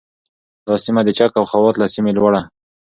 دا سیمه د چک او خوات له سیمې لوړه